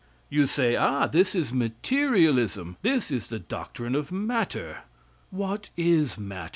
You say, ah! this is materialism! this is the doctrine of matter! What is matter?